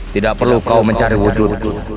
tidak perlu kau mencari wujud